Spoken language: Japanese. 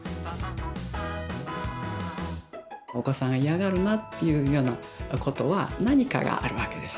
お子さん嫌がるなっていうようなことは何かがあるわけです。